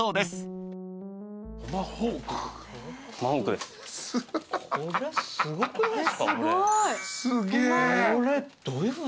すごい。